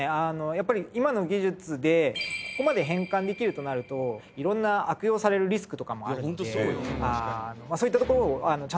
やっぱり今の技術でここまで変換できるとなるといろんな悪用されるリスクとかもあって。